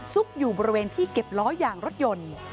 อยู่บริเวณที่เก็บล้อยางรถยนต์